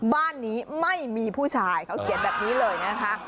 บ้านนี้ไม่มีผู้ชายเขาเขียนแบบนี้เลยนะคะ